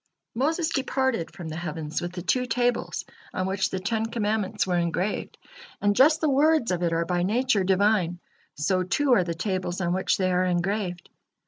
Moses departed from the heavens with the two tables on which the Ten Commandments were engraved, and just the words of it are by nature Divine, so too are the tables on which they are engraved.